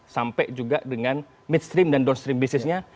sampai juga dengan midstream dan downstream bisnisnya